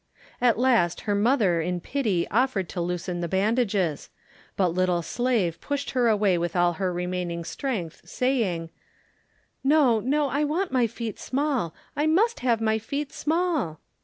At last her mother in pity offered to loosen the bandages, but little Slave pushed her away with all her remaining strength, saying, "No, no, I want my feet small, I must have my feet small."